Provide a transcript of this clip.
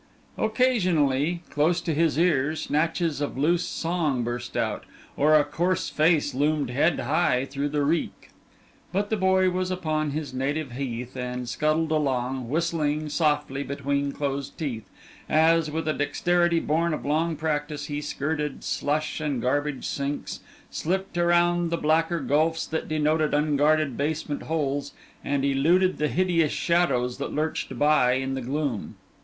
Occasionally, close to his ear, snatches of loose song burst out, or a coarse face loomed head high through the reek. But the boy was upon his native heath and scuttled along, whistling softly between closed teeth, as, with a dexterity born of long practice, he skirted slush and garbage sinks, slipped around the blacker gulfs that denoted unguarded basement holes, and eluded the hideous shadows that lurched by in the gloom.